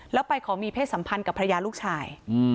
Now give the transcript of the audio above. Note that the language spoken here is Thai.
แล้วไปขอมีเพศสัมพันธ์กับภรรยาลูกชาย